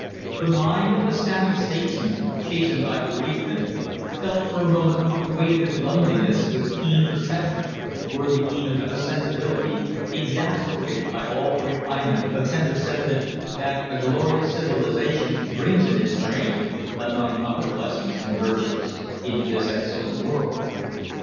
The mind of the savage statesman, chastened by bereavement, felt for a moment the weight of his loneliness with keen perception worthy even of a sensibility exasperated by all the refinements of tender sentiment that a glorious civilization brings in its train, among other blessings and virtues, into this excellent world.